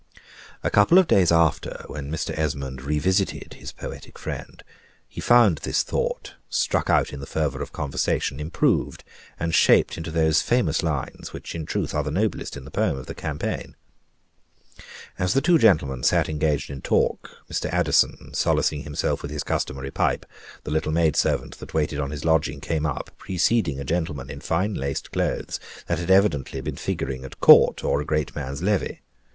A couple of days after, when Mr. Esmond revisited his poetic friend, he found this thought, struck out in the fervor of conversation, improved and shaped into those famous lines, which are in truth the noblest in the poem of the "Campaign." As the two gentlemen sat engaged in talk, Mr. Addison solacing himself with his customary pipe, the little maid servant that waited on his lodging came up, preceding a gentleman in fine laced clothes, that had evidently been figuring at Court or a great man's levee.